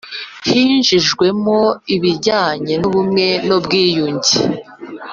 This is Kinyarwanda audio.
hinjizwemo ibijyanye n'ubumwe n'ubwiyunge.